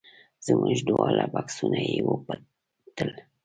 زموږ دواړه بکسونه یې وپلټل.